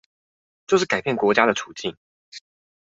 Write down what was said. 就是改變國家的處境